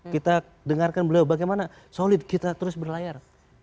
kita dengarkan beliau bagaimana solid kita terus berlayar